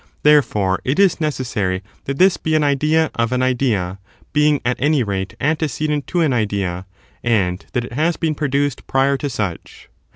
Therefore, it is necessary that this be an idea of an idea, being, at any rate, antecedent to an ides, and that it has been produced prior to such.